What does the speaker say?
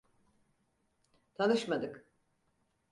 Tanışmadık.